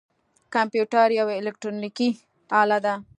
کمپیوټر یوه الکترونیکی آله ده